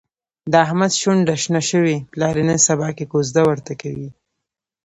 د احمد شونډه شنه شوې، پلار یې نن سباکې کوزده ورته کوي.